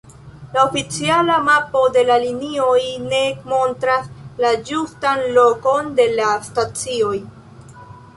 La oficiala mapo de la linioj ne montras la ĝustan lokon de la stacioj.